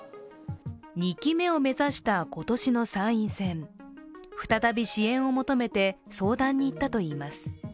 ２期目を目指した今年の参院選、再び支援を求めて相談に行ったといいます。